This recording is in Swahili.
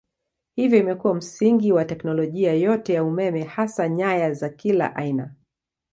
Hivyo imekuwa msingi wa teknolojia yote ya umeme hasa nyaya za kila aina.